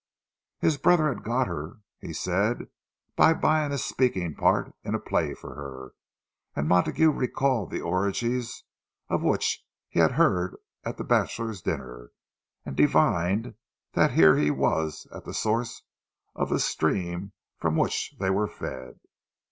His brother had "got her," he said, by buying a speaking part in a play for her; and Montague recalled the orgies of which he had heard at the bachelors' dinner, and divined that here he was at the source of the stream from which they were fed.